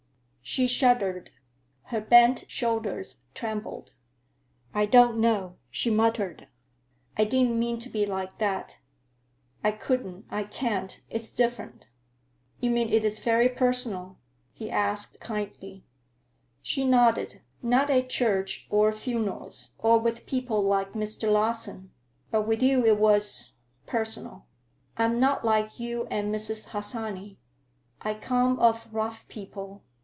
She shuddered. Her bent shoulders trembled. "I don't know," she muttered. "I didn't mean to be like that. I couldn't. I can't. It's different." "You mean it is very personal?" he asked kindly. She nodded. "Not at church or funerals, or with people like Mr. Larsen. But with you it was—personal. I'm not like you and Mrs. Harsanyi. I come of rough people.